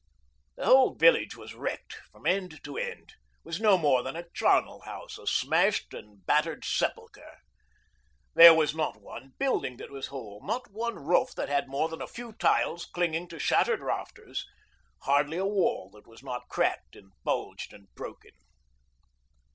The whole village was wrecked from end to end, was no more than a charnel house, a smashed and battered sepulchre. There was not one building that was whole, not one roof that had more than a few tiles clinging to shattered rafters, hardly a wall that was not cracked and bulged and broken.